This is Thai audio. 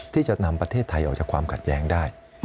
ที่จะนำประเทศไทยออกจากความขัดแย้งได้